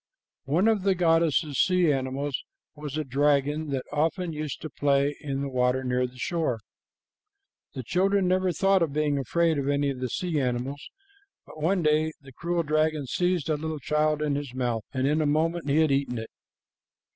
One of the goddess's sea animals was a dragon, that often used to play in the water near the shore. The children never thought of being afraid of any of the sea animals, but one day the cruel dragon seized a little child in his mouth, and in a moment he had eaten it.